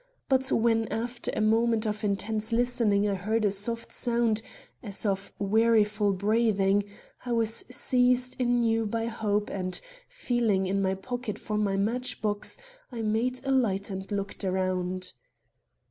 But when after a moment of intense listening I heard a soft sound as of weariful breathing, I was seized anew by hope, and, feeling in my pocket for my match box, I made a light and looked around.